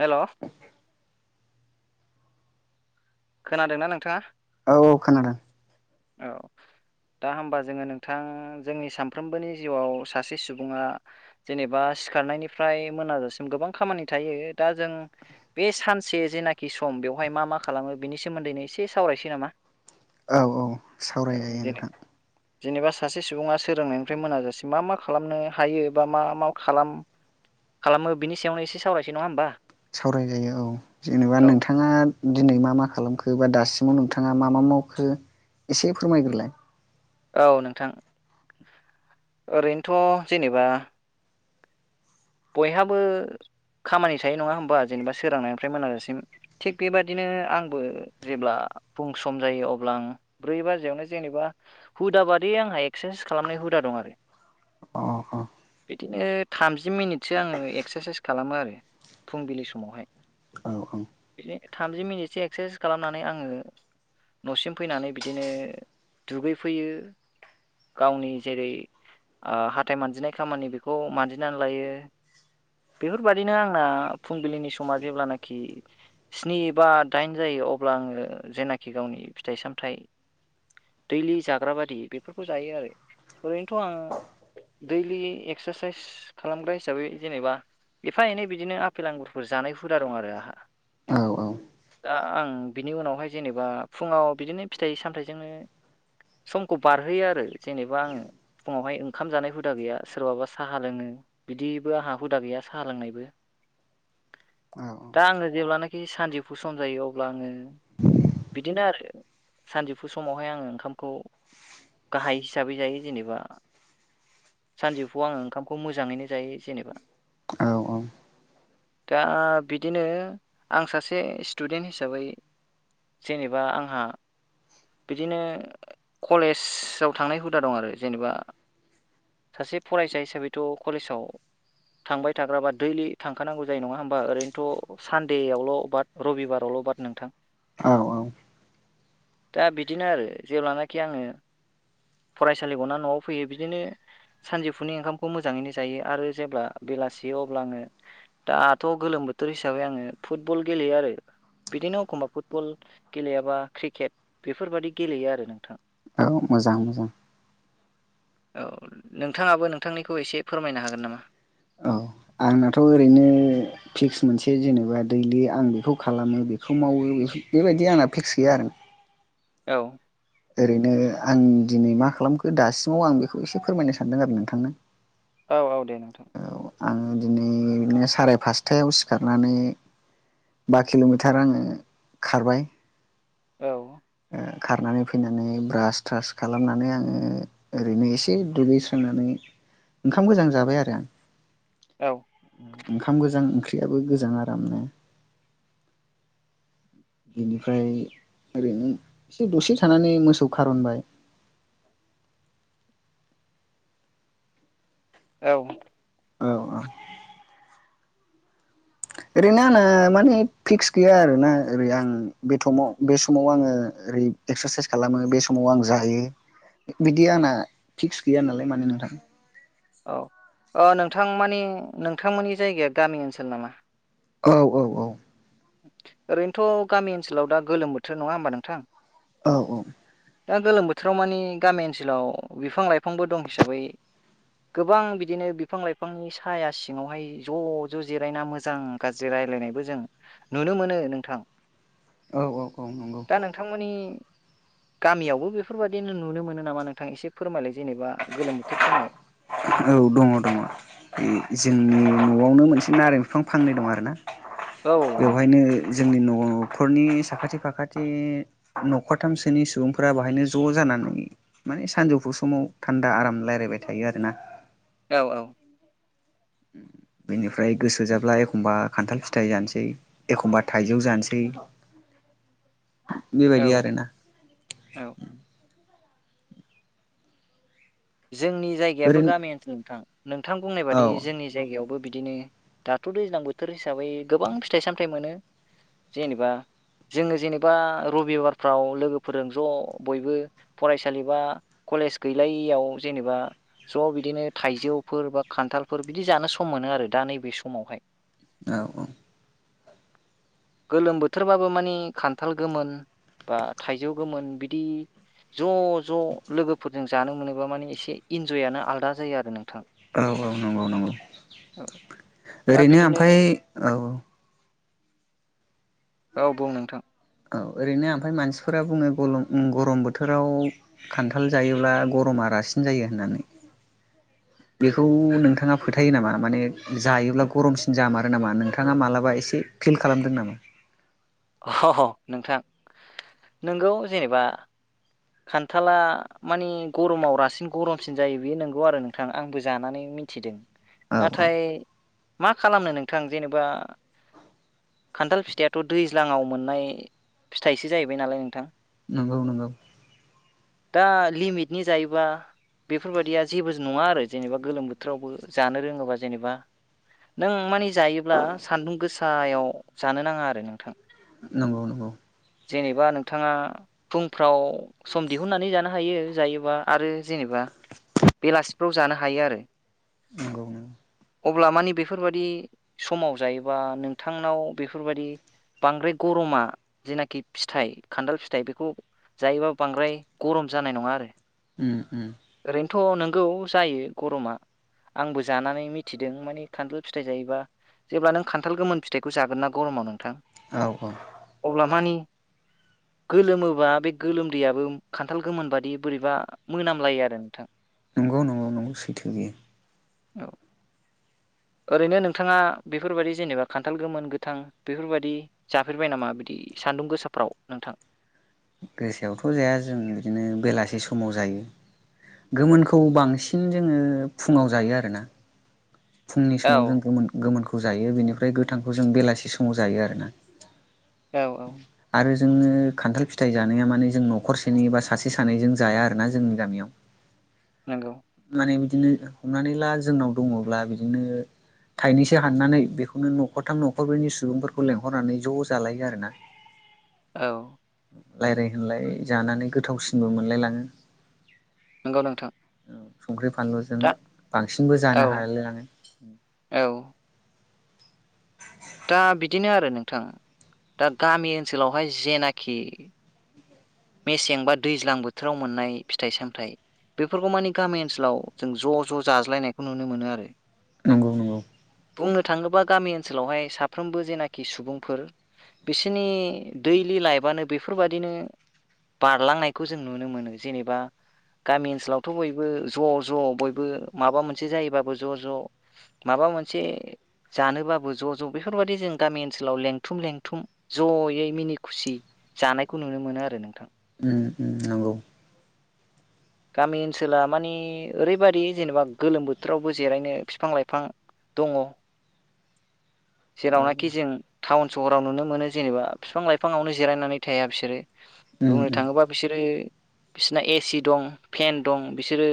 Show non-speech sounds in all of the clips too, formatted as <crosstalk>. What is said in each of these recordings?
हेल'। खोनादोंना नोंथाङा? औ औ खानादों। औ। दा होमबा जोङो नोंथां जोंनि सानफ्रोमबोनि जिउआव सासे सुबुङा जेनेबा सिखारनायनिफ्राय मोनाजासिम गोबां खामानि थायो दा जों बे सानसे जेनाखि सम बेवहाय मा मा खालामो बिनि सोमोन्दैनो एसे सावरायसै नामा? औ औ औ सावरायजायो जेने नोंथां। जेनेबा सासे सुबुङा सोलोंनायनिफ्राय मोनाजासे मा मा खालामनो हायो बा मा मा खालामो? खालामो बिनि सायावनो एसे सावरायसै नङा होनबा। सावरायजायो औ जेनेबा नोंथाङा दिनै मा मा खालामखो बा दासिमाव नोंथाङा मा मा मावखो एसे फोरमायग्रोलाय? औ नोंथां। ओरैनोथ' जेनेबा। बयहाबो। खामानि थायो नङा होमबा जेनेबा सोरांनायनिफ्राय मोनाजासिम थिग बेबादिनो आंबो जेब्ला फुं सम जायो अब्ला आं ब्रै बाजियावनो जेनेबा हुदा बादि आंहा एक्सारसाइस खालामनाय हु दा दं आरो। अ अ। बिदिनो थामजि मिनिटसो आङो एक्सारसाइस खालामो आरो फुंबिलि समावहाय। औ <unintelligible> थामजि मिनिटसो एक्सारसाइस खालामनानै आङो न'सिम फैनानै बिदिनो दुगै फैयो गावनि जेरै ओ हाथथाय मानजिनाय खामानि बेखौ मानजिनानै लायो <inaudible> बेफोरबादिनो आंना फुंबिलिनि समा जेब्लानाखि स्नि बा दाइन जायो अब्ला अब्ला आङो जेनाखि गावनि फिथाइ सामथाइ दैलि जाग्रा बायि बेफोरखौ जायो आरो ओरैनोथ' आं दैलि एक्सारसाइस खालामद्रायस हिसाबै जेनेबा एफा एनै बिदिनो आफेल आंगुरफोर जानाय हुदा दं आरो आंहा औ दा आं बिनि उनावहाय जेनेबा फुङाव बिदिनो फिथाइ सामथायाइजोंनो समखौ बारहोयो आरो जेनेबा आङो फुङावहाय ओंखाम जानाय हुदा गैया सोरबाबा साहा लोङो बिदिबो आंहा हुदा गैया साहा लोंनायबो औ दा आङो जेब्लाना सानजौफु सम जायो अब्ला आङो बिदिनो आरो सानजौफु समावहाय आङो ओंखामखौ गाहाय हिसाबै जायो जेनेबा सानजौफुआव आङो ओंखामखौ मोजाङैनो जायो जेनबा दा बिदिनो आं सासे स्टुडेन्ट हिसाबै जेनेबा आंहा बिदिनो कलेजाव थांनाय हुदा दं आरो जेनेबा सासे फरायसा हिसाबैथ' कलेजाव थांबाय थाग्राबा दैलि थांखानांगौ जायो नङा होमबा ओरैनोथ' सानदेआवल' बा रबिबारावल' ल' बाथ नोंथां औ औ दा बिदिनो आरो जेब्लानाखि आङो फरायसालि गना न'आव फैयो बिदिनो सानजौफुनि ओंखामखौ मोजाङैनो जायो आरो जेब्ला बेलासे अ आङो दाथ' गोलोम बोथोर हिसाबै आङो फुटबल गेले गेलेयो आरो बिदिनो एखमबा फुटबल गेलेयाबा क्रिकेट बेफोरबाददि गेलेयो आरो नोंथां औ मोजां मोजां औ नोंथाङाबो नोंथांनिखौ एसे फोरमायनो हागोन नामा? औ आंनाथ' ओरैनो फिक्स मोनसे जेनेबा दैलि आं बेखौ खालामो बेखौ मावो बेबायदि आंना फिक्स गैया आरो औ ओरैनो आं दिनै मा खालामखो दासिमाव आं बेखौ एसे फोरमायनो सानदों आरो नोंथांनो औ औ दे नोंथां औ आङो दिनैनो साराय फासथायाव सिखारनानै बा किल'मिटार आङो खारबाय औ खारनानै फैनानै ब्रास थ्रास खालामनानै आङो ओरैनो एसे दुगैस्रोनानै ओंखाम गोजां जाबाय आरो आं औ ओंखाम गोजां ओंख्रियाबो गोजां आरामनो <inaudible> बिनिफ्राय ओरैनो एसे दसे थानानै मोसौ खारनबाय <inaudible> औ औ औ ओरैनो आंना माने फिक्स गैया आरोना ओरै आं बेथमाव बे समाव आङो ओरै एक्सारसाइस खालामो बे समाव आं जाहायो बिदि आंना फिक्स गैया नालाय नोंथां औ ओ नोंथां माने नोंथांमोननि जायगाया गामि ओनसोल नामा औ औ औ ओरैनोथ' गामि ओनसोलाव दा गोलोम बोथोर नङा होमबा नोंथां औ औ ओ गोलोम बोथोराव मानि गामि ओनसोलाव बिफां लाइफांबो दं हिसाबै गोबां बिदिनो बिफां -लाइफांनि साया सिङावहाय ज' ज' जिरायना मोजां -गाज्रि राय रायलायनायबो जों नुनो मोनो नोंथां औ औ औ नंगौ दा नोंथांमोननि गामियावबो बेफोरबायदि नुनो मोनो नामा नोंथांआ एसे फोरमायलाय जेनेबा गोलोम बोथोर समाव औ दङ दङ बे जोंनि न'आवनो मोनसे नारें बिफां फांनै दं आरो ना औ नोंथां बेवहायनो जोंनि न' न'खरनि साखाथि फाखाथि न'खरथामसोनि सुबुंफोरा बाहायनो ज' जानानै माने सानजौफु समाव थान्दा आराम रायलायबाय थायो आरो ना औ औ <unintelligible> <inaudible> बेनिफ्राय गोसो जाब्ला एखमबा खान्थाल फिथाइ जानोसै एखमबा थाइजौ जानोसै <unintelligible> <inaudible> औ बेबायदि आरोना औ जोंनि जायगायाबो ओरैनो गामि ओनसोल नोंथां नोंथां बुंनाय औ बादि जोंनि जायगायावबो बिदिनो दाथ' दैज्लां बोथोर हिसाबै गोबां फिथाइ सामथायाइ मोनो जेनेबा जोङो जेनेबा रबिबारफ्राव लोगोफोरजों ज' बयबो फरायसालि बा कलेज गैलायियाव जेनेबा ज' बिदिनो थाइजौफोर बा खान्थालफोर बिदि जानो सम मोनो आरो दा नैबे समावहाय औ औ गोलोम बोथोरबाबो मानि खान्थाल गोमोन बा थाइजौ गोमोन बिदि ज' ज' लोगोफोरजों जानो मोनोबा माने ए एसे इन्जय आनो आलदा जायो आरो नों औ औ नंगौ नंगौ औ दा ओरैनो बिदिनो ओमफाय औ औ बुं नोंथां औ ओरैनो ओमफ्राय मानसिफोरा बुङो गलम उम गरम बोथोराव खान्थाल जायोब्ला गरमा बारासिन जायो होननानै <unintelligible> <inaudible> बेखौ नोंथाङा फोथायो नामा माने जायोब्ला गरमसिन जामारो नामा नोंथाङा मालाबा एसे फिल खालामदों नामा अ'ह'ह नोंथां नोंगौ जेनेबा खान्थाला मानि गरमाव रासिन गरमसिन जायो बेयो नंगौ आरो नोंथां आंबो जानानै मिथिदों औ औ नाथाय मा खालामनो नोंथां जेनेबा खान्थाल फिथाइआथ' दैज्लाङाव मोननाय फिथाइसो जाहैबाय नालाय नोंथां नंगौ नंगौ दा लिमिटनि जायोबा बेफोरबायदिया जेबोज नङा आरो जेनेबा गोलोम बोथोरावबो जानो रोङोबा जेनेबा नों माने जायोब्ला सान्दुं गोसायाव जानो नाङा आरो नोंथां नंगौ नंगौ जेनेबा नोंथाङा फुं फ्राव सम दिहुननानै जानो हायो जायोबा आरो जेनेबा बेलासिफ्राव जानो हायो आरो नंगौ नोंगौ अब्ला मानि बेफोरबायदि समाव जायोबा नोंथांनाव बेफोरबायदि बांद्राय गरमा जेनाखि फिथाइ खान्दाल फिथाइ बेखौ जायोबा बांद्राय गरम जानाय नङा आरो ओम ओम थ' नंगौ जायो गरमा आंबो जानानै मिथिदों माने खान्थाल फिथाइ जायोबा जेब्ला नों खान्थाल गोमोन फिथाइखौ जागोन ना गरमाव नों औ औ अब्ला माने गोलोमोबा बे गोलोमदैयाबो खान्थाल गोमोन बादि बोरैबा मोनामलायो आरो नोंथां नंगौ नंगौ नंगौ सैथो बियो औ ओरैनो नोंथाङा बेफोरबायदि जेनेबा खान्थाल गोमोन गोथां बेफोरबायदि जाफेरबाय नामा बिदि सान्दुं गोसाफ्राव नोंथां गोसाआवथ' जाया जों बिदिनो बेलासि समाव जायो। गोमोनखौ बांसिन जोङो फुङाव जायो आरोना फुंनि औ समाव जोंमोन गोमोनखौ जायो बेनिफ्राय गोथांखौ जों बेलासि समाव जायो आरोना। औ औ आरो जोङो खान्थाल फिथाइ जानाया माने जों न'खरसेनि एबा सासे सानैजों जाया आरोना जोंनि गामियाव नंगौ माने बिदिनो हमनानै ला जोंनाव दङब्ला बिदिनो थाइनैसो हाननानै बेखौनो न'खरथाम न'खरनि सुबुंफोरखौ लेंहरनानै ज' जालायो आरो ना औ रायज्लाय होनलाय जानानै गोथावसिनबो मोनलायलाङो नंगौ नोंथां संख्रि फानलुजों दा बांसिनबो औ जानो हालाय लाङो। औ दा बिदिनो आरो नोंथां दा गामि ओनसोलावहाय जेनाखि मेसें बा दैज्लां बोथोराव मोननाय फिथाइ सामथाइ बेफोरखौ मानि गामि ओनसोलाव जों ज' ज' जाज्लायनायखौ नुनो मोनो आरो नंगौ नंगौ बुंनो थाङोबा गामि ओनसोलावहाय साफ्रोमबो जेनाखि सुबुंफोर बिसोरनि दैलि लाइफनो बेफोरबायदिनो बारलांनायखौ जों नुनो मोनो जेनेबा गामि ओनसोलावथ' बयबो ज' ज' बयबो माबा मोनसे जायोबाबो ज' ज' माबा माबा मोनसे जानोबाबो ज' ज' बेफोरबायदि जों गामि ओनसोलाव लेंथुम लेंथुम ज'यै मिनि खुसि जानायखौ नुनो मोनो आरो नों उम ओम नंगौ गामि ओनसोला मानि ओरैबायादि जेनेबा गोलोम बोथोरावबो जिरायनो बिफां लाइफां दङ औ जेरावनाखि जों टाउन सहराव नुनो मोनो जेनेबा बिफां लाइफाङावनो जिरायनानै थाया बिसोरो उम बुंनो उम थाङोबा बिसोरो बिसिना एसि दं फेन दं बिसोरो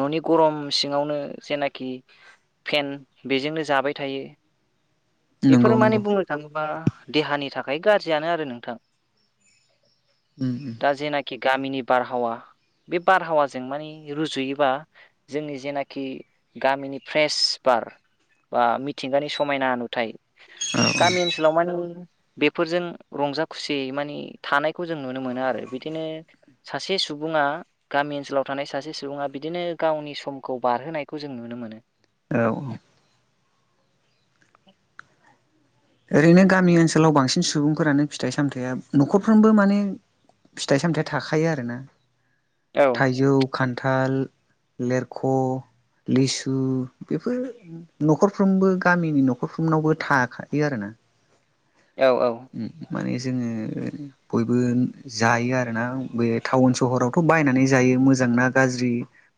न'नि गरम सिङावनो जेनाखि फेन बेजोंनो जाबाय थायो बेफोरो नंगौ माने नंगौ बुंनो थाङोबा देहानि थाखाय गाज्रियानो आरो नोंथां उम उम दा जेनाखि गामिनि बारहावा बे बारहावाजों मानि रुजुयोबा जोंनि जेनाखि गामिनि फ्रेस बार बा मिथिंगानि समायना नुथाय औ गामि ओनसोलाव मानि बेफोरजों रं रंजा खुसियै मानि थानायखौ जों नुनो मोनो आरो बिदिनो सासे सुबुङा गामि ओनसोलाव थानाय सासे सुबुङा बिदिनो गावनि समखौ बारहोनायखौ जों नुनो मोनो औ औ <unintelligible> ओरैनो गामि ओनसोलाव बांसिन सुबुंफोरानो फिथाइ सामथाइया न'खरफ्रोमबो माने फिथाइ सामथाइ थाखायो आरोना औ थाइजौ खान्थाल लेरख' लिसु बेफोर न'खरफ्रोमबो गामिनि न'खरफ्रोमनावबो थाखा यो आरो ना औ उम माने जोङो बयबो जायो आरोना बे टाउन सहरावथ' बायनानै जायो मोजां ना गाज्रि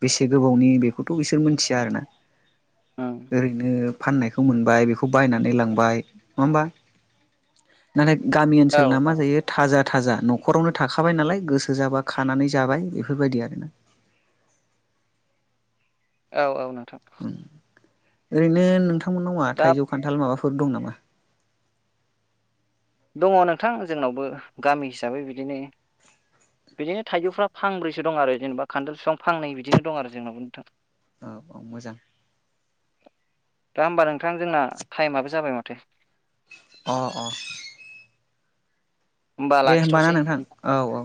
बेसे गोबावनि बेखौथ' बिसोर मोनथिया आरोना ओरैनो फाननायखौ मोनबाय बेखौ बायनानै लांबाय नङा होमबा नाथाय गामि औ ओनसोलनाा औ मा जायो थाजा थाजा न'खरावनो थाखाबाय नालाय गोसो जाबा खानानै जाबाय बेफोरबायदि आरोना औ औ नोंथां ओरैनो नोंथां मोननावा दा थाइजौ खान्थाल माबाफोर दं नामा? दङ नोंथां जोंनावबो गामि हिसाबै बिदिनो बिदिनो थाइजौफ्रा फांब्रैसो दं आरो जेनेबा खान्थाल बिफां फांनै बिदिनो दं आरो जोंनावो नोंथां औ औ मोजां दा होमबा नोंथां जोंना टाइमाबो जाबाय माथो ओ ओ दे होमबा ना नोंथां औ औ